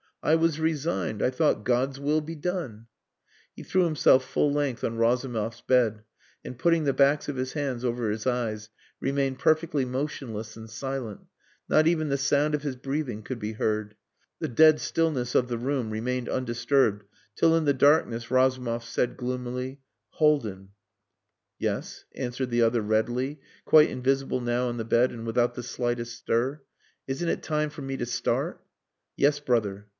I was resigned. I thought 'God's will be done.'" He threw himself full length on Razumov's bed and putting the backs of his hands over his eyes remained perfectly motionless and silent. Not even the sound of his breathing could be heard. The dead stillness or the room remained undisturbed till in the darkness Razumov said gloomily "Haldin." "Yes," answered the other readily, quite invisible now on the bed and without the slightest stir. "Isn't it time for me to start?" "Yes, brother."